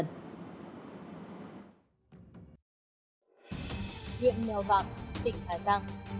nguyện nèo vạc tỉnh hải tăng